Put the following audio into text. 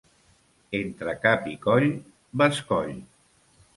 Entre cap i coll, bescoll!